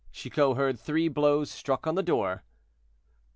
Chicot heard three blows struck on the door.